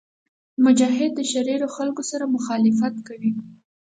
مجاهد د شریرو خلکو سره مخالفت کوي.